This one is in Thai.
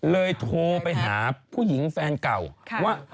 โทรไปหาผู้หญิงแฟนเก่าว่า